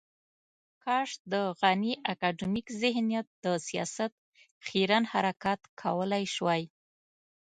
کاش د غني اکاډمیک ذهنیت د سياست خیرن حرکات کولای شوای.